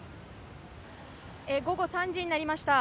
午後３時になりました。